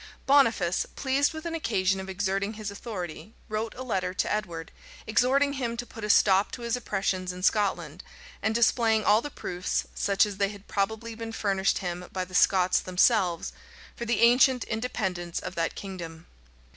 {1300.} Boniface, pleased with an occasion of exerting his authority, wrote a letter to Edward, exhorting him to put a stop to his oppressions in Scotland, and displaying all the proofs, such as they had probably been furnished him by the Scots themselves, for the ancient independence of that kingdom.